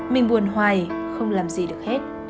mình buồn hoài không làm gì hết